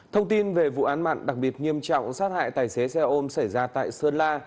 thông tin về vụ án mạng đặc biệt nghiêm trọng sát hại tài xế xe ôm xảy ra tại sơn la